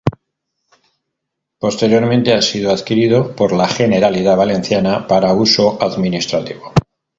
Posteriormente ha sido adquirido por la Generalidad Valenciana para uso administrativo.